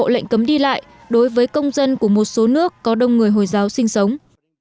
lệnh cấm đi lại đối với công dân của một số nước có đông người hồi giáo sinh sống